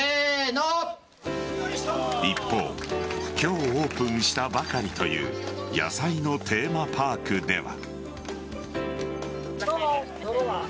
一方今日オープンしたばかりという野菜のテーマパークでは。